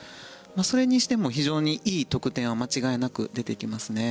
それにしても非常にいい得点は間違いなく出てきますね。